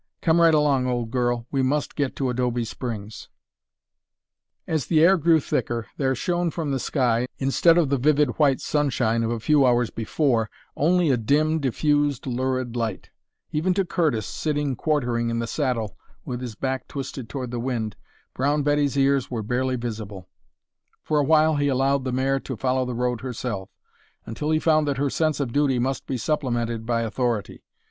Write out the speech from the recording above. Come right along, old girl; we must get to Adobe Springs." [Illustration: "UPON MAN AND BEAST THE SAND STORM BEAT BITTERLY"] As the air grew thicker there shone from the sky, instead of the vivid white sunshine of a few hours before, only a dim, diffused, lurid light. Even to Curtis, sitting quartering in the saddle with his back twisted toward the wind, Brown Betty's ears were barely visible. For a while he allowed the mare to follow the road herself, until he found that her sense of duty must be supplemented by authority.